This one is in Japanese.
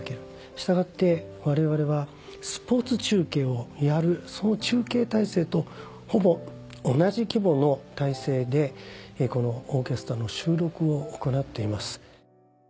従って我々はスポーツ中継をやる中継態勢とほぼ同じ規模の態勢でこのオーケストラの収録を行っています。